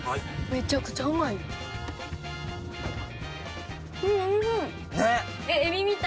めちゃくちゃうまいで。